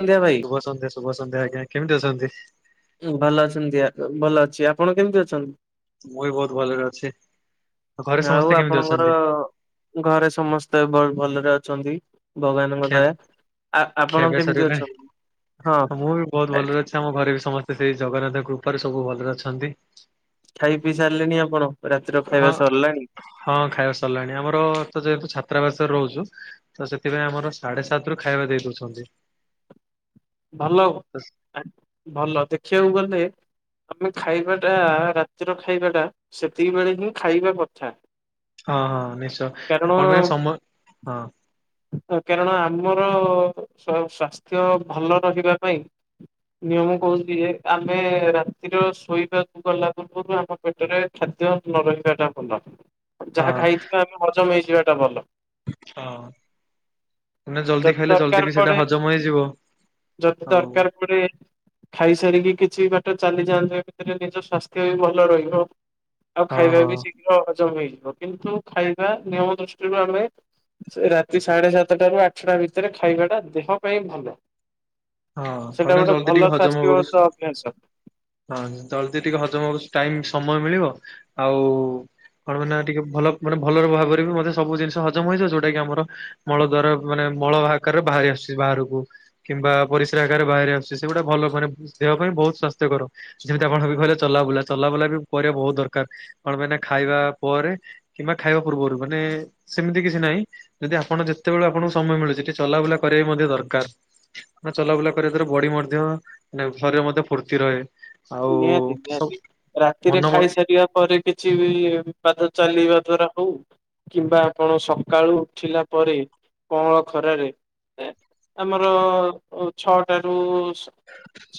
ସନ୍ଧ୍ୟା ଭାଇ ଶୁଭ ସନ୍ଧ୍ୟା ଶୁଭ ସନ୍ଧ୍ୟା ଆଜ୍ଞା କେମିତି ଅଛନ୍ତି? ଭଲ ଅଛନ୍ତି। ଭଲ ଅଛି । ଆପଣ କେମିତି ଅଛନ୍ତି? ମୁଁ ବି ବହୁତ ଭଲରେ ଅଛି। ଘରେ ଆଉ ସମସ୍ତେ କେମିତି ଆପଣଙ୍କର ଅଛନ୍ତି? ଘରେ ସମସ୍ତେ ଭଲରେ ଅଛନ୍ତି। ଭଗବାନଙ୍କ ଖିଆ ଦୟା ଆ ଆପଣ ଖିଆପିଆ କେମିତି ସରିଗଲାଣି? ଅଛନ୍ତି? ହଁ ମୁଁ ବି ବହୁତ ଖାଇ ଭଲରେ ଅଛି ଆମ ଘରେ ବି ସମସ୍ତେ ସେଇ ଜଗନ୍ନାଥ କୃପାରୁ ସବୁ ଭଲରେ ଅଛନ୍ତି। ଖାଇ ପିଇ ସାରିଲେଣିି ଆପଣ? ରାତିର ହଁ ଖାଇବା ସରିଲାଣି? ହଁ ଖାଇବା ସରିଲାଣି ଆମର ତ ଯେହେତୁ ଛାତ୍ରାବାସରେ ରହୁଚୁ ତ ସେଥିପାଇଁ ଆମର ସାଢେ ସାତ ରୁ ଖାଇବା ଦେଇ ଦଉଛନ୍ତି। ଭଲ ଭଲ ଦେଖିବାକୁ ଗଲେ। ଆମେ ଖାଇବାଟା ରାତିର ଖାଇବା ଟା ସେତିକି ବେଳେ ହିଁ ଖାଇବା କଥା। ହଁ ହଁ ନିଶ୍ଚୟ କାରଣ କଣ ପାଇଁ ନା ସମୟ ହଁ। କାରଣ ଆମର ସ୍ବାସ୍ଥ୍ୟ ଭଲ ରହିବା ପାଇଁ ନିୟମ କହୁଚି ଯେ ଆମେ ରାତିର ଶୋଇବାକୁ ଗଲା ପୂର୍ବରୁ ଆମ ପେଟରେ ଖାଦ୍ ଖାଦ୍ୟ ନ ରହିବାଟା ଭଲ। ହଁ ଯାହା ଖାଇଥିବେ ଆମେ ହଜମ ହେଇଯିବାଟା ଭଲ। ହଁ ମାନେ ଜଲ୍ଦି ଯଦି ଖାଇଲେ ଜଲଦି ଦରକାର ବି ସେଇଟା ପଡେ ହଜମ ହୋଇଯିବ। ଯଦି ଦରକାର ପଡେ ଖାଇ ସାରିକି କିଛି ବାଟ ଚାଲିଯାଆନ୍ତୁ ୟା ଭିତରେ ନିଜ ସ୍ବାସ୍ଥ୍ୟ ବି ଭଲ ରହିବ। ଆଉ ହଁ ଖାଇବା ହଁ ବି ଶୀଘ୍ର ହଜମ ହୋଇଯିବ। କିନ୍ତୁ ଖାଇବା ନିୟମ ଦୃଷ୍ଟିରୁ ଆମେ ସେ ରାତି ସାଢେ ସାତଟା ରୁ ଆଠଟା ଭିତରେ ଖାଇବାଟା ଦେହ ପାଇଁ ଭଲ। ହଁ ସେଇଟା କହିଲ ଗୋଟେ ଜଲଦି ଭଲ ଟିକେ ହଜମ ହବାକୁ ସ୍ୱାସ୍ଥ୍ୟଗତ ଅଭ୍ୟାସ ହଁ ତଦ ଟିକେ ହଜମ ଟାଇମ ସମୟ ମିଳିବ ଆଉ କଣ ମାନ ଟିକେ ଭଲ ମାନେ ଭଲ ଭାବରେ ବି ମୋତେ ସବୁ ଜିନିଷ ହଜମ ହେଇଯିବ ଯୋଉଟା କି ଆମର ମଳ ଦ୍ଵାରା ମାନେ ମଳ ଆକରେ ବାହାରି ଆସିୁଛି ବାହାରକୁ କିମ୍ବା ପରିସ୍ରା ଆକାରରେ ବାହାରେ ଆସୁ ସେଗୁଟା ଭଲ ମାନେ ଦେହ ପାଇଁ ବହୁତ ସଵାସ୍ଥ୍ୟର ଯେମିତି ଆପଣ ଭବ କିଲେ ଚଲାବୁଲା ଚଲା କରିବା ବହୁତ ଦରକାର କଣ ପାଇଁ ଖାଇବା ପରେ କିମ୍ବା ଖାଇବା ପୂର୍ବରୁ ମାନେ ସେ ତି କିଛି ନହିଁ ଯଦି ଆପଣ ଯେତେବେଳେ ଆପଣଙ୍କୁ ସମୟ ମିଳୁଛି ସେିକି ଚଲାବୁଲା କର ମଧ୍ୟ ଦରକାର। ନା ଚଲାବୁଲା କରିବା ଦଵାରା ବଡି ମଧ୍ୟ ଶରୀର ମଧ୍ୟ ଫୁର୍ତ୍ତି ରହେ। ଆଉ ନିହାତି ସବୁ ନିହାତି ରାତିରେ ମନ ହଁ ଖାଇସାରିବା ପରେ କିଛି ପାଦ ଚାଲିବା ଦ୍ଵାରା ହଉ କିମ୍ବା ଆପଣ ସକାଳୁ ଉଠିଲା ପରେ କଅଁଳ ଖରାରେ ଆମର ଛଅଟ ରୁ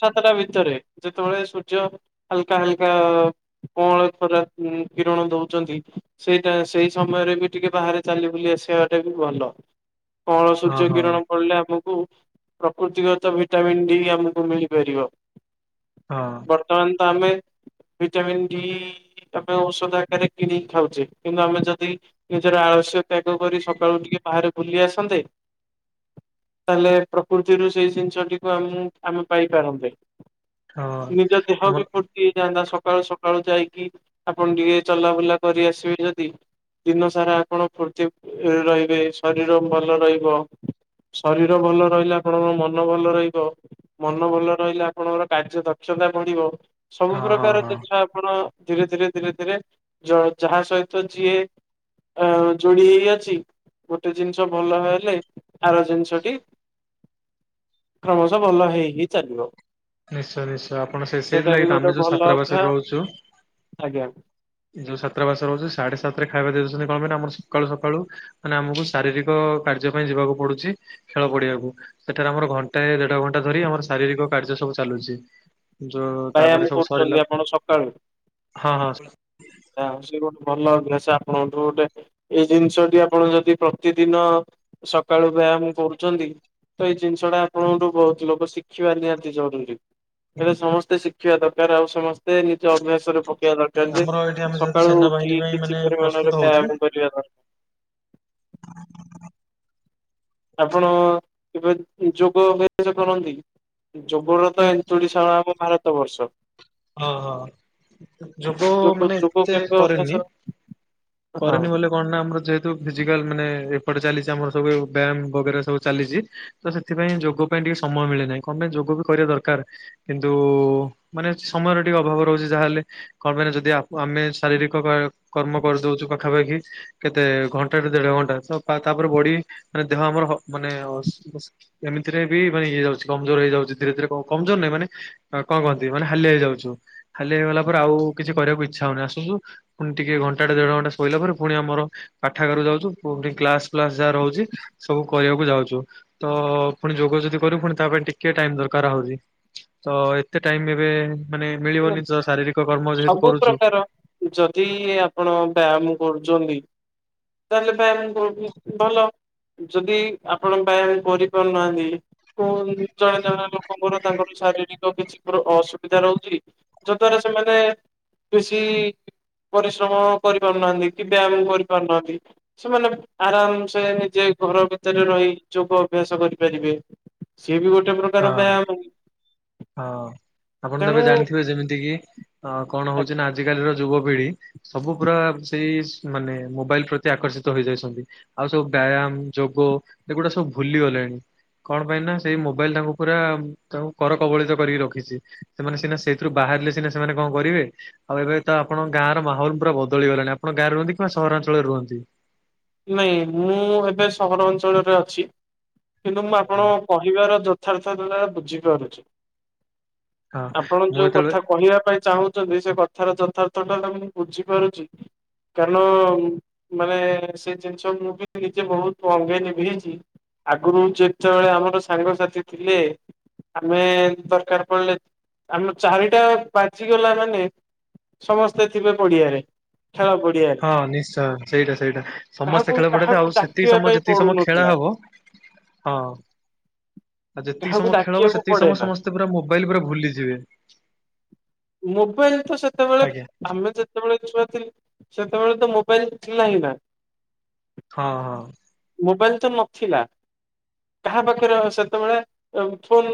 ସାତଟା ଭିତରେ ଯେତେବେଳେ ଯୋଉ ହଲକା ହଲକା। କଣ ଖରା କିରଣ ଦଉଛନ୍ତି ସେଇଟା ସେଇ ସମୟରେ ବି ଟିକେ ବାହାରେ ଚାଲି ବୁ ଆସ ସେବାଟା ବି ଭଲ କଳ ହଁ ସୂର୍ଯ୍ୟ ହଁ କିରଣ ପଡିଲେ ଆମକୁ ପ୍ରକୃତିଗତ ଭିଟାମିନ ଡି ଆମକୁ ମିଳିପାରିବ। ହଁ। ବର୍ତ୍ତମାନ ତ ଆମେ ଭିଟାମିନ୍ ଡି ଆମେ ଔଷଧ ଆକାରରେ କିଣିକି ଖାଉଛେ କିନ୍ତୁ ଆମେ ଯଦି ନିଜର ଆଳସ୍ୟ ତ୍ୟାଗ କରି ସକାଳୁ ଟିକେ ବାହାରେ ବୁଲି ଆସନ୍ତେ। ତାହେଲେ ପ୍ରକୃତିରୁ ସେଇ ଜିନିଷଟିକୁ ଆମେ ପାଇପାରନ୍ତେ। ନିଜ ଦେହ ଆମର ଫୁର୍ତ୍ତି ଯଆନ୍ତା ସକାଳୁ ସକାଳୁ ଯାଇକି ଆପଣ ଟିକେ ଚଲାବୁଲା କରି ଆସିବେ ଯଦି ଦିନ ସାରା ଆପଣ ଫୁର୍ତ୍ତି ରହିବେ ଶରୀର ଭଲ ରହିବ। ଶରୀର ଭଲ ରହିଲେ ଆପଣଙ୍କ ମନ ଭଲ ରହିବ। ମନ ଭଲ ରହିଲେ ଆପଣଙ୍କର କାର୍ଯ୍ୟ ଦକ୍ଷତା ବଢିବ ସବୁ ହଁ ହଁ ପ୍ରକାର ହଁ ଜିନିଷ ଆପଣ ଧୀରେ ଧୀରେ ଧୀରେ ଧୀରେ ଜ ଯାହା ସହିତ ଯିଏ ଆ ଜଡ଼ିଇ ଅଛି। ଗୋଟେ ଜିନିଷ ଭଲ ହେଲେ ଆର ଜିନିଷଟି କ୍ରମଶଃ ଭଲ ହେଇ ହିଇ ଚାଲିବ। ନିଶ୍ଚୟ ନିଶ୍ଚୟ ଆପଣ ସେ ସେଇଟା ବି ସେଇଥିଲାଗି ତ ଗୋଟେ ଆମେ ଯୋଉ ଭଲ ଅଭ୍ୟାସ ଛାତ୍ରାବାସରେ ରହୁଛୁ। ଆଜ୍ଞା। ଯୋଉ ଛାତ୍ରାବାସ ରହୁଛି ସାଢେ ସାତ ରେ ଖାଇବା ଦଉଛନ୍ତି କଣ ମାନେ ଆମର ସକାଳୁ ସକାଳୁ ମାନେ ଆମକୁ ଶାରୀରିକ କଯ୍ୟ ପାଇଁ ଯିବାକୁ ପଡୁଛି ଖେଳ ପଡିିବାକୁ ସେଠାରେ ଆମର ଘଣ୍ଟା ଦେଢ ଘଣ୍ଟା ଧରି ଆମ ଶାରୀର ସବୁ ଚାଲୁଛି ଯୋଉ ବ୍ୟାୟାମ ତାପରେ ସବୁ କରୁଛନ୍ତି ସରିଲା ଆପଣ ହଁ ହଁ। ଯଛି ଗୋଟେ ଭଲେସ ଆପଣଙ୍କଠୁ ଗୋଟେ ଏଇ ଜିନିଷଟି ଆପଣ ଯଦି ପ୍ରତିଦିନ ସକାଳୁ ବ୍ୟାୟାମ କରୁଛନ୍ତି। ତ ଏଇ ଜିନିଷ ଟା ଆପଣଙ୍କଠୁ ବହୁତ ଲୋକ ଶିଖିବା ନିହାତି ଜରୁରୀ। ହେଲେ ସମସ୍ତେ ଶିଖିବା ଦରକାର ଆଉ ସମସ୍ତେ ନିଜ ଅଭ୍ୟାସରେ ପକେଇବା ଦରକାର ଯେ ଆମର ଏଠି ଆମେ ଯେହେତୁ ସକାଳୁ ସେନାବାହିନୀ ଉଠିକି ପାଇଁ କିଛି ମାନେ ପ୍ରସ୍ତୁତ ପରିମାଣରେ ବ୍ୟାୟାମ କରିବା ଦରକାର। ହ ଆପଣ କେବେ ଯୋଗ ଅଭ୍ୟାସ କରନ୍ତି। ଯୁବର ତ ଏନ୍ତୁରିଶାଳ ଆମ ଭାରତ ବର୍ଷ। ହଁ ହଁ ଯୋଗ ମାନେ ଯୋଗ ଏତେ କେବେ ଅଭ୍ୟାସ କରେନି। କରେନି ହଁ ବ କଣ ନା ଆମର ଯେହେତୁ ଫିଜିକାଲ ମାନେ ସେଟେ ଚାଲିଛି ଆମର ସବୁ ବ୍ୟାୟାମ ବଗରା ସବୁ ଚାଲିଛି ତ ସେଥିପାଇଁ ଯୋଗ ପାଇଁ ଟିକେ ସମୟ ମିଳେନାହିଁମେ ଯ ବି କରିବା ଦରକାର କିନ୍ତୁ ମାନେ ସମୟର ଟିକେ ଅଭାବ ରହୁଛି ଯାହାହେଲେ କଣ ପାଇଁ ଯଦି ଆମେ ଶାରୀରିକ କର୍ମ କରିଦଉଛୁ କଖାପି କେତେ ଘଣ୍ଟା ଦେଢ ଘଣ୍ଟା ତାପରେ ବଢ ମାନେ ଦେହ ଆମର ମାନେ ଏମତିରେ ବି ମାନେ ଇଏ ଯାଉଛି କମଜୋର ହେଇଯାଉଛି ଧୀରେ ଧୀରେ କମଜୋର ନାହିଁ ମାନେ କଣ କହନ୍ତି ମାନେ ଖାଲି ହେଇଯାଉଛୁ ହାଲି ହେଇଗଲା ପରେ ଆଉ କିଛି କରିବାକୁ ଇଚଛା ହଉନି ଆସୁଛୁ ପୁଣି ଟିକେ ଘଣ୍ଟା ଟେ ଦେଢ ଘଣ୍ଟା ହେଲା ପରେ ପୁଣି ଆମର ପାଠାଗାର ଯାଉଛୁ ପୁଣି କ୍ଲାସ୍ ଫ୍ଲାସ ଯାହା ରହୁଛି ସବୁ କହିବାକୁ ଯାଉଚୁ। ତ ପୁଣି ଯୋଗ ଯଦି କରୁ ପୁଣି ତା ପାଇଁ ଟିକେ ଟାଇମ୍ ଦରକାର ହଉଚି। ତ ଏତେ ଟାଇମ୍ ଏ ମାନେ ମିଳିବନି ତ ଶାରୀରିକ କର୍ମ ଯେହେତୁ ସବୁ କରୁଛୁ ପ୍ରକାର ଯଦି ଆପଣ ବ୍ୟାୟାମ କରୁଚନ୍ତି ତାହାଲେ ବ୍ୟାୟମ କରୁଥିବେ ଭଲ। ଯଦି ଆପଣ ବ୍ୟାୟମ କରିପାରୁନାହାନ୍ତି କୋନ ଜଣେ ଜଣେ ଲୋକଙ୍କର ତାଙ୍କର ଶାରୀରିକ କିଛି ଧର ଅସୁବିଧା ରହୁଚି ଯଦ୍ଵାରା ସେମାନେ ବେଶୀ ପରିଶ୍ରମ କରିପାରୁନାହାନ୍ତି। କି ବ୍ୟାୟାମ କରିପାରୁନାହାନ୍ତି। ତି ସେମାନେ ଆରାମ ସେ ନିଜେ ଘର ଭିତରେ ରହି ଯୋଗ ଅଭ୍ୟାସ କରିପାରିବେ। ସିଏ ବି ଗୋଟେ ପ୍ରକାର ହଁ। ବ୍ୟାୟମ। ହଁ ଆପଣ ତେବେ ଜାଣିଥିବେ ଯେମିତି କିି ଅ, କଣ ହଉଚି ନା ଆଜିକାଲିର ଯୁବ ପିଢି ସବୁ ପୁରା ସେଇ ମାନେ ମୋବାଇଲ୍ ପ୍ରତି ଆକର୍ଷିତ ହେଇଯାଇଛନ୍ତି। ଆଉ ସବୁ ବ୍ୟାୟ ଆମ ଯୋଗ ଏଗୁଡା ସବୁ ଭୁଲି ଗଲେଣି। କଣ ପାଇଁ ନା ସେଇ ମୋବାଇଲ୍ ତାଙ୍କୁ ପୁରା ତାଙ୍କୁ କର କବଳିତ କରିକି ରଖିଛି। ସେମାନେ ସିନା ସେଇଥିରୁ ବାହାରିଲେ ସିନା ସେମାନେ କଣ କରିବେ। ଆଉ ଏବେ ତ ଆପଣ ଗାଁର ମାହଲ ପୁରା ବଦଳିଗଲାଣି। ଆପଣ ଗାଁରେ ରୁହନ୍ତି କିମ୍ବା ସହରାଞ୍ଚଳରେ ରୁହନ୍ତି। ନାଇଁ ମୁଁ ଏବେ ସହର ଅଞ୍ଚଳରେ ଅଛି। କିନ୍ତୁ ମୁଁ ଆଜ୍ଞା। ଆପଣଙ୍କ କହିବାର ଯଥାର୍ଥ ବୁଝିପାରୁଛି। ହଁ ଆପଣ ମୁଁ ଯୋଉ ଯେତେବେଳେ କଥା କହିବା ପାଇଁ ଚାହୁଁଚନ୍ତି ସେ କଥାର ଯଥା ଟୋଟାଲ ଟାକୁ ମୁଁ ବୁଝିପାରୁଚି କାରଣ ମାନେ ସେ ଜିନିଷ ମୁଁ ବି ନିଜେ ବହୁତ ଅଙ୍ଗେ ନିଭେଇଚି। ଆଗରୁ ଯେତେବେଳେ ଆମର ସାଙ୍ଗସାଥି ଥିଲେ। ଆମେ ଦରକାର ପଡିଲେ ଆମ ଚାରିଟା ବାଜିିଗଲା ମାନେ ସମସ୍ତେ ଥିବେ ପଡିଆରେ। ଖେଳ ପଡିଆରେ ହଁ ନିଶ୍ଚୟ ସେଇଟା ସେଇଟା। ସମସ୍ତେ କାହାକୁ ଖେଳ ପଡନ୍ତେ କାହାକୁ ଆଉ ସେତିକି ଡାକିବା ସମୟ ପାଇଁ ଯେତିକି ସମୟ ଖେଳ ପଡୁନଥିଲା। ହବ ହଁ ଆଉ ଯେତିକି କାହାକୁ ସମୟ ଖେଳ ହବ ଡାକିବାକୁ ସେତିକି ପଡେ ସମୟ ନା ସମସ୍ତେ ପୁରା ମୋବାଇଲ୍ ପୁରା ଭୁଲିଯିବେ। ମୋବାଇଲ୍ ତ ସେତେବେଳେ ଆଜ୍ଞା। ଆମେ ଯେତେବେଳେ ଛୁଆ ଥ ସେତେବେଳେ ତ ମୋବାଇଲ୍ ଥିଲା ହିଁ ନା। ହଁ, ହଁ। ମୋବାଇଲ୍ ତ ନଥିଲା। କାହା ପାଖରେ ସେତେବେଳେ ଏ ଫୋନ୍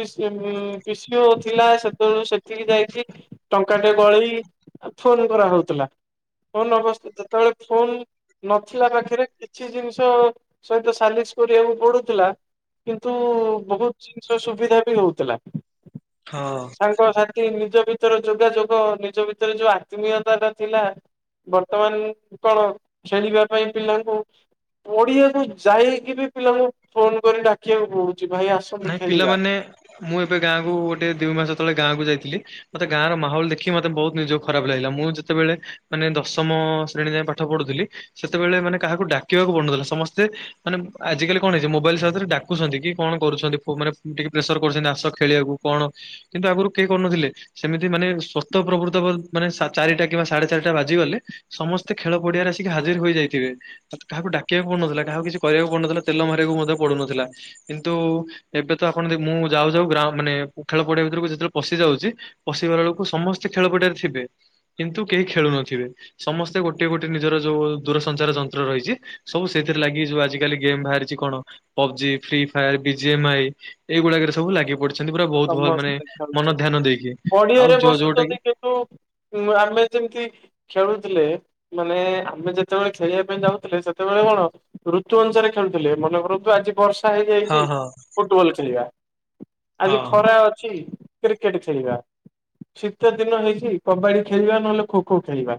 ପିସିଏ ଉଁ, ପିସିଓ ଥିଲା ସେତେବେଳୁ ସେ ଥିଲି ଯାଇଥିଲି ଟଙ୍କା ଟେ ଗଳେଇ ଆ, ଫୋନ୍ କରାହଉଥୁଲା। ଫୋନ୍ ଅବସ୍ ଯେତେବେଳେ ଫୋନ୍ ନଥିଲା ପାଖରେ କିଛି ଜିନିଷ ସହିତ ସାଲିସ କରିବାକୁ ପଡୁଥିଲା। କିନ୍ତୁ ବହୁତ ଜିନିଷ ସୁବିଧା ବି ହଉଥିଲା ହଁ। ସାଙ୍ଗସାଥି ନିଜ ଭିତରେ ଯୋଗାଯୋଗ। ନିଜ ଭିତରେ ଯୋଉ ଆତ୍ମୀୟତା ଟା ଥିଲା। ବର୍ତ୍ତମାନ କଣ ଖେଳିବା ପାଇଁ ପିଲାଙ୍କୁ ପଡିଆକୁ ଯାଇକି ବି ପିଲାଙ୍କୁ ଫୋନ୍ କରି ଡାକିବାକୁ ପଡୁଛି। ଭାଇ ଆସନ୍ତୁ ନାଇଁ ଖେଳିବା। ପିଲାମାନେ ମୁଁ ଏବେ ଗାଁକୁ ଗୋଟେ ଦି ମାସ ତଳେ ଗାଁକୁ ଯାଇଥିଲି। ମୋତେ ଗାଁ ର ମାହୋଲ ଦେଖି ମୋତେ ବହୁତ ନିଜକୁ ଖରାପ ଲାଗିଲା। ମୁଁ ଯେତେବେଳେ ମାନେ ଦଶମ ଶ୍ରେଣୀ ଯାଏଁ ପାଠ ପଢୁଥିଲି। ସେତେବେଳେ ମାନେ କାହାକୁ ଡାକିବାକୁ ପଡୁନଥିଲା ସମସ୍ତେ ମାନେ ଆଜିକାଲି କଣ ହେଇଚି ମୋ ମୋବାଇଲ୍ ସାଥିରେ ଡାକୁଛନ୍ତି କି କଣ କରୁଛନ୍ତି ପୁ-ମାନେ ଟିକେ ପ୍ରେସର୍ କରୁଚନ୍ତି ଆସ ଖେଳିବାକୁ କଣ। କିନ୍ତୁ ଆଗରୁ କେହି କରୁନଥିଲେ। ସେମିତି ମାନେ ସତ ପ୍ରଭୃତ ବୋଲ ମାନେ ଚାରିଟା କିମ୍ବା ସାଢେ ଚାରିଟା ବାଜି ଗଲେ ସମସ୍ତେ ଖେଳ ପଡିଆରେ ଆସିକି ହାଜିର ହୋଇଯାଇ ହୋଇଥିବେ। ଆ, କାହାକୁ ଡାକିବାକୁ ପଡୁନଥିଲା। କାହାକୁ କିଛି କରିବାକୁ ପଡୁନଥିଲା ତେଲ ମାରିବାକୁ ମଧ୍ୟ ପଡୁନଥିଲା। କିନ୍ ତୁ, ଏବେ ତ ଆପଣ ଦେ- ମୁଁ ଯାଉ ଯାଉ ଗ୍ରା ମାନେ ଉ, ଖେଳ ପଡିଆ ଭିତରକୁ ଯେତେବେଳେ ପଶି ଯାଉଚି ପଶିିବାର ବେଳକୁ ସମସ୍ତେ ଖେଳପଡିଆରେ ଥିବେ। କିନ୍ତୁ କେହି ଖେଳୁ ନଥିବେ। ସମସ୍ତେ ଗୋଟେ ଗୋଟେ ନିଜର ଯୋଉ ଦୂରସଞ୍ଚାର ଯନ୍ତ୍ର ରହିଛି ସବୁ ସେଥିରେ ଲାଗି ଯୋଉ ଆଜିକାଲି ଗେମ୍ ବାହାରିଛି କଣ PUBG, free fire, BGM I ଏଇଗୁଡାକରେ ସବୁ ଲାଗି ପଡି ତ ମସ୍ତ ତ ଖାଉଛ। ଦେଇକି ଆଉ ପଡିଆରେ ଯୋଉ ଯୋଉଟା କି ବସୁଛନ୍ତି କିନ୍ତୁ ଆମେ ଯେମିତି ଖେଳୁଥିଲେ ମାନେ ଆମେ ଯେତେବେଳେ ଖେଳିବା ପାଇଁ ଯାଉଥିଲେ ସେତେବେଳେ କଣ ଋତୁ ଅନୁସାରେ ଖେଳୁଥିଲେ, ମନେ କରନ୍ତୁ ଆଜି ବର୍ଷା ହଁ ହେଇଯାଇଛି ହଁ ଫୁଟବଲ ଖେଳିବା। ଆଜି ହଁ ଖରା ଅଛି। କ୍ରିକେଟ ଖେଳିବା ଶୀତ ଦିନ ହେଇଛି କବାଡି ଖେଳିବା ନହେଲେ ଖୋ ଖୋ ଖେଳିବା।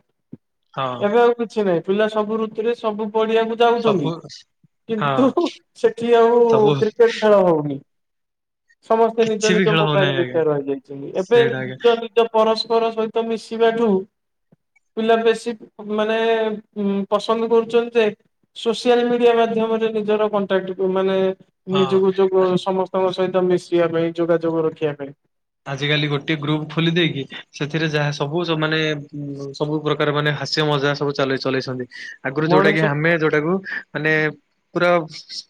ହଁ ଏବେ ଆଉ କିଛି ନାହିଁ ପିଲା ସବୁ ଋତୁରେ ସବୁ ପଡିଆକୁ ଯାଉଛନ୍ତି ସବୁ ହଁ କିନ୍ତୁ ସେଠି ଆଉ ସବୁ କ୍ରିକେଟ ଖେଳ ହଉନି। ସମସ୍ତେ ନିଜ କିଛି ବି ନିଜ ଖେଳ ମୋବାଇଲ ହଉନାହିଁ ଆଜ୍ଞା ଭିତରେ ରହିଯାଇଛନ୍ତି, ଏବେ ସେଇଟା ଆଜ୍ଞା ନିଜ ନିଜ ପରଶ୍ ପର ସହିତ ମିଶିବା ଠୁ ପିଲା ବେଶୀ ମାନେ ପସନ୍ଦ କରୁଛନ୍ତି ଯେ ସୋସିଆଲ ମିଡିଆ ମା ଆମର ନିଜର କଣ୍ଟାକ୍ଟ କୁ ମାନେ ନିଜକୁ ହଁ ଯୋଗ ସମସ୍ତଙ୍କ ସହିତ ମିଶିବା ପାଇଁ ଯୋଗାଯୋଗ ରଖିବା ପାଇଁ। ଆଜିକାଲି ଗୋଟେ ଗ୍ରୁପ ଖୋଲି ଦେଇକି ସେଥିରେ ଯାହା ସବୁ ମାନେ ସବୁ ପ୍ରକାର ମାନେ ହାସ୍ୟ ମଜା ସବୁ ଚଲେଇ-ଚଲେଇଛନ୍ତି, ଆଗରୁ ଯୋଉଟା କିି ମଣିଷ ଆମେ ଯୋଉଟାକୁ ମାନେ ପୁରା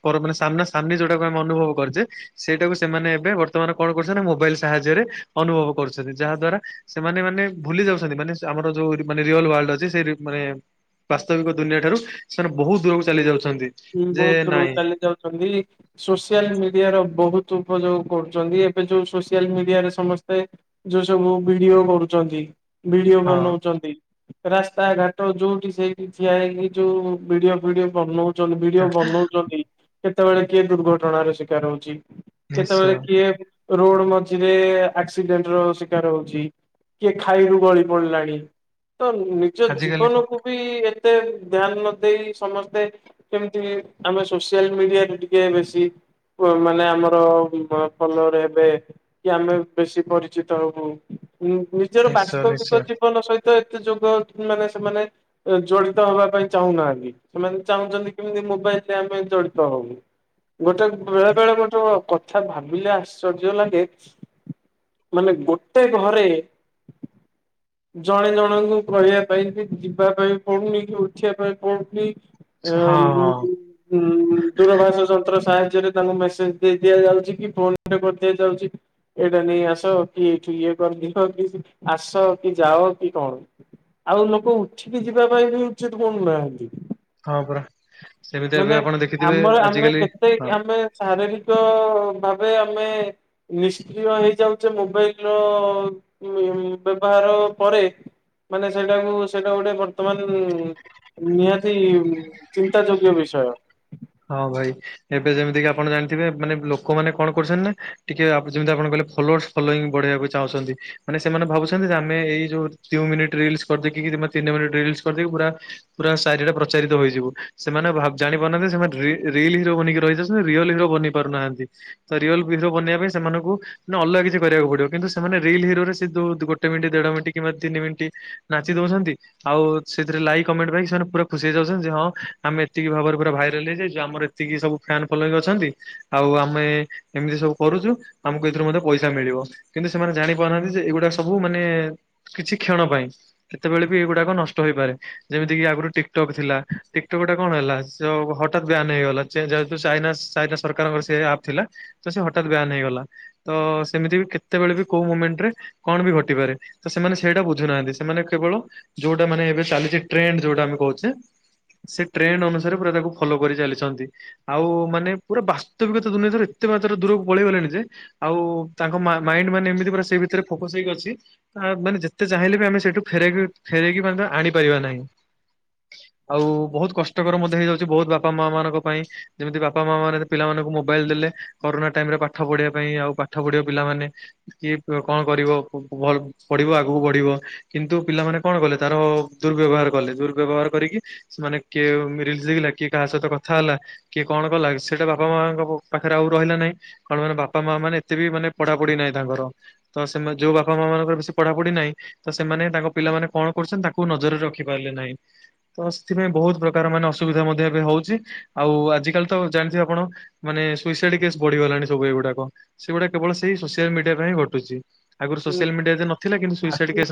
କରୁ ମାନେ ସାମ୍ନା ସାମ୍ନି ଯୋଉଟାକୁ ଆମେ ଅନୁଭବ କରିଛେ ସେଇଟାକୁ ସେମାନେ ଏବେ ବର୍ତ୍ତମାନ କଣ କରୁଛେ ନା ମୋବାଇଲ ସା ସାହାଯ୍ୟରେ ଅନୁଭବ କରୁଛନ୍ତି, ଯାହା ଦ୍ୱାରା ସେମାନେ ମାନେ ଭୁଲି ଯାଉଛନ୍ତି ମାନେ ସେ ଆମର ଯୋଉ ମାନେ ରିଅଲ ୱର୍ଲ୍ଡ । ସେ ମାନେ ବାସ୍ତବିକ ଦୁନିଆ ଠାରୁ ସେମାନେ ବହୁତ ଦୂରକୁ ଚାଲି ଯାଉ ବହୁତ ଦୂରକୁ ଚାଲି ଯାଉଛନ୍ତି, ସୋସିଆଲ ମିଡିଆ ର ବହୁତ ଉପଯୋଗ କରୁଛନ୍ତି, ଏବେ ଯୋଉ ସୋସିଆଲ ମିଡିଆରେ ସମସ୍ତେ ଯୋଉ ସବୁ ଭିଡିଓ କରୁଛନ୍ତି। ଭିଡିଓ ହଁ ବନଉଛନ୍ତି, ରାସ୍ତାଘାଟ ଯୋଉଠି ସେଇଠି ଠିଆ ହେଇକି ଯୋଉ ଭିଡିଓ ଫିଡିଓ ବନଉଛନ୍ତି, ଭିଡିଓ ବନଉଛନ୍ତି କେତେବେଳେ କିଏ ଦୁର୍ଘଟଣାର ଶିକାର ହଉଛି, ନିଶ୍ଚୟ କେତେବେଳେ କିଏ ରୋଡ ମଝିରେ ଆକ୍ସିଡେଣ୍ଟ ର ଶିକାର ହଉଛି। କିଏ ଖାଇରୁ ଗଳି ପଡିଲାଣି। ତ ନିଜ ଆଜିକାଲି କଣ ଜୀବନକୁୁ ବି ଏତେ ଧ୍ୟାନ ନ ଦେଇ ସମସ୍ତେ କେମିତି ଆମେ ସୋସିଆଲ ମିଡିଆରେ ଟିକେ ବେଶୀ ମାନେ ଆମର ଫଲୋୟର ହେବେ କି ଆମେ ବେଶୀ ପରିଚିତ ହବୁ। ଉଁ ନିଜର ନିଶ୍ଚୟ ନିଶ୍ଚୟ ବାସ୍ତବିକ ଜୀବନ ସହିତ ତ ଏତେ ଯୁଗ ମାନେ ସେମାନେ ଜଡିତ ହେବା ପାଇଁ ଚାହୁଁନାହାନ୍ତି, ସେମାନେ ଚାହୁଁଛନ୍ତି କେମିତି ମୋବାଇଲ ଆମେ ଯଡ଼ିତ ହବୁ। ଗୋଟେ ବେଳେ ବେଳେ ଗୋଟେ କଥା ଭାବିଲେ ଆଶ୍ଚର୍ଯ୍ୟ ଲାଗେ ମାନେ ଗୋଟେ ଘରେ ହ ଜଣେ ଜଣଙ୍କୁ କହିବା ପାଇଁ କି ଯିବା ପାଇଁ ପଡୁନି କି ଉଠିବା ପାଇଁ ପଡୁନି। ହଁ ହଁ। ଉ ଦୂରଭାଷ ଯନ୍ତ୍ର ସାହ ଯ୍ୟରେ ତାଙ୍କୁ ମେସେଜ ଦେଇ ଦିଆଯାଉଛି କି ଫୋନ ରେ କହିଦିଆଯାଉଛି କି ଏଇଟା ନେଇ ଆସ କି ଏଠୁ ଇ କରିଦିଅ କି ଆସ କି ଯାଅ କି କଣ। ଆଉ ଲୋକ ଉଠିକି ଯିବା ପାଇଁ ବି ଉଚିତ ମଣୁ ନାହାନ୍ତି। ହଁ ପରା। ସେମିତି ଏବେ ମାନେ ଆପଣ ଦେଖିଥିବେ ଆମର ଆମେ ଆଜିକାଲି କେତେ ହଁ ଆମେ ଚାରିର ର ଭାବେ ଆମେ ନିଷ୍କ୍ରିୟ ହେଇଯାଉଛେ ମୋବାଇଲ ର ବ୍ୟବହାର ପରେ। ମାନେ ସେଇଟାକୁ ସେଇଟା ଗୋଟେ ବର୍ତ୍ତମାନ ନି-ନିହାତି ଚିନ୍ତା ଯୋଗ୍ୟ ବିଷୟ। ହଁ ଭାଇ ଏବେ ଯେମିତି କି ଆପଣ ଜାଣିଥିବେ ମାନେ ଲୋକ ମାନେ କଣ କରୁଛନ୍ତି ନା ଟିକେ ଯେମିତି ଆପଣ କହିଲେ ଫୋଲୋର୍ସ ଫୋଲୋଇଂ ବଢେଇବାକୁ ଚାହୁଛନ୍ତି, ମାନେ ସେମାନେ ଭାବୁଛନ୍ତି ଯେ ଆମେ ଏଇ ଯୋଉ ଦୁଇ ମିନିଟ ରିଲଶ୍ କରିଦେଇକି କି ତିନି ମିନିଟ୍ ରିଲସ୍ କରିଦେଇକି ପୁରା ପୁରା ଚାରି ଆଡ଼େ ପ୍ରଚାରିତ ହୋଇଯିବୁ, ସେମାନେ ଭା-ଜାଣି ପାରୁନାହାନ୍ତି ସେମାନେ ରିଲ ରିଲ୍ ହିରୋ ବନିକି ରହି ଯାଉଛନ୍ତି ରିଅଲ ହିରୋ ବନି ପାରୁନାହାନ୍ତି, ତ ରିଅଲ ହିରୋ ବନେଇବା ପାଇଁ ସେମାନଙ୍କୁ ଅଲଗା କିଛି କରିବାକୁ ପଡିବ, କିନ୍ତୁ ସେମାନେ ରିଲ ହିରୋରେ ସେ ଯଉ ଗୋଟେ ମିନିଟ ଦେଢ ମିନିଟ କିମ୍ବା ତିନି ମିନିଟ ନାଚି ଦଉଛନ୍ତି ଆଉ ସେଥି ଲାଇ କମଣ୍ଟମାନେ ପୁରା ଖୁସି ହେଇ ଯାଉଛନ୍ତି ହଁ ଆମେ ଏତିକି ଭାବରେ ଭାଇରାଲ ଡେଲିରେ ଯାଇଚ ଆମର ଏତିକି ସବୁ ଫିଆୟନ୍ ଫଲସ ଅଛନ୍ତି ଆଉ ଆମେ ଏମିତି ସବୁ କରୁଛୁ ଆମକୁ ଏତ ଏଥିରୁ ମଧ୍ୟ୍ୟ ପଇସା ମିଳିବ କିନ୍ତୁ ସେମାନେ ଜାଣି ପାରୁନାହାନ୍ତି ଯେ ଏଇଗୁଡା ସବୁ ମାନେ କିଛି କ୍ଷଣ ପାଇଁ। କେତେବେଳେ ବି ଏଗୁଡାକ ନଷ୍ଟ ହେଇପାରେ ଯେମିତିକ ଆଗରୁ ଟିକଟକ୍ ଥିଲା ଟିକଟକ୍ ଟା କଣ ହେଲା ହଠା ଯାଆ ମେହେଇ ଗଲା ଚେନେଜାଥୁ ଚାଇନା ଚାଇନା ସରକାରଙ୍କ ରସେ ସୋଇ ଆପେ ଥିଲା ହଟା ବ୍ୟାନେ ହୋଇଗଲା ତ ତ ସେମିତି ବି କେତେବେଳେ ବି କୋଉ ମୁମେଣ୍ଟ ରେ କଣ ବି ଘଟିପାରେ ତ ସେମାନେ ସେଇଟା ବୁଝୁନାହାନ୍ତି ସେମାନେ କେବଳ ଯେଉଟା ମନେଏବେ ଚାଲିଛି ଟ୍ରେଡେ ଜୋଉଟା କୌଚେ ଟ୍ରେଡେ ଅନୁସା ପୁରା ତାକୁ ଫଲୋ କରି ଚାଲିଛନ୍ତି ଆଉ ମାନେ ପୁରା ବାସ୍ତବିକତା ଦୁନିଆରେ ଏତେ ମାତ୍ରାରେ ଦୂରକୁ ପଳେଇଗଲେଣି ଯେ ଆଉ ତାଙ୍କ ମାଇଣ୍ଡି ମାନେ ଏମିତି ପୁରା ସେଇ ଭିତରେ ଫୋକସ ହେଇକି ଅଛି ମାନେ ଯେତେ ଚାହିଁଲେ ବି ଆମେ ସେଇଠୁ ଫେରି ଫେରେ ଫେରକି ମଧ୍ୟ୍ୟ ଆଣି ପାରିବା ନାହିଁ ଆଉ ବହୁତ କଷ୍ଟକର ମଧ୍ୟ ହେଇଯାଉଛି। ବୋତ ବାପା ମା ମଙ୍କନ ପାଇଁ ଯେମତି ବାପା ମା ମାନେ ପିଲମାନଙ୍କୁ ମୋବାଇଲି ଦେଲେ କରୋନା ଟାଇମିରେ ପାଠ ପଢିବା ପାଇଁ ଆଉ ପାଠ ପଢିବା ପିଲାମାନେ କିଏ କଣ କରିବ ପଢିବ ଆଗକୁ ବଢିବ କିନ୍ତୁ ପିଲାମାନେ କଣ କଲେ ତାର ଦୁର୍ବ୍ୟବହାର କଲେ ଦୁର୍ବ୍ୟବହାର କରିକି ସେମାନେ କେ ରିଲିଯି କିଏ କାହା ସହିତ କଥା ହେଲା। କିଏ କଣ କଲା। ସେଟା ବାପା ମାଙ୍କ ପ ପାଖରେ ଆଉ ରହିଲା ନାହିଁ। କଣ ମାନେ ବାପା ମା ମାନେ ଏତେ ବି ମାନେ ପଢା ପଢି ନାହିଁ ତାଙ୍କର ତ ସେ ଯୋଉ ବାପା ମା ମଙ୍କର ବ ପଢା ପଢି ନାହିଁ ତ ସେମାନେ ହିଁ ତା ତାଙ୍କ ପିଲାମାନେ କଣ କରୁଚନ୍ତି। ତାଙ୍କୁ ନଜରରେ ରଖି ପାରିଲେ ନାହିଁ। ତ ସେଥିପାଇଁ ବୋହୁତ ପ୍ରକାର ମାନେ ଅସୁବିଧା ମଧ୍ୟ ଏବେ ହୋଉଚି ଆଉ ଆଜିିକାଲି ତ ଜାଣିଥିବେ ଆପଣ ମାନେ ସୁଇସାଇଡ କେସ୍ ବଢିଗଲାଣି ସବୁ ଏଗୁଡାକ। ସେଗୁଡା କେବଳ ସେ ସୋସିଆଲ ମିଡିଆ ପାଇଁ ଘଟୁଚି ଆଗରୁ ସୋସିଆଲ ମିଡିଆ ଯେ ନଥିଲା କିନ୍ତୁ ସୁଇସାଇଡ୍ ଆଖି କେସ ନ